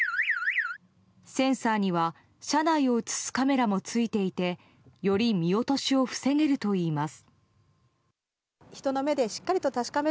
センサーには車内を映すカメラもついていてより見落としを防げるといいます。